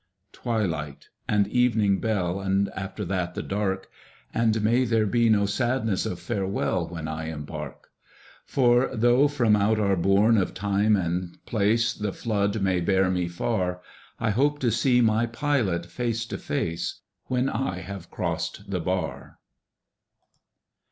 Twilight and evening bell, And after that the dark ! CKOSSIXG THE BAR 175 And may there be no sadness of farewell, When I embark ; For tho' from out our bourne of Time and Place The flood may bear me far, I hope to see my Pilot face to face AA'hen I have crost the bai